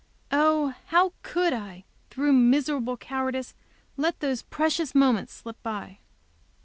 Oh, how could I, through miserable cowardice, let those precious moments slip by!